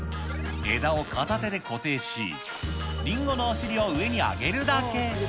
枝を片手で固定し、りんごのお尻を上に上げるだけ。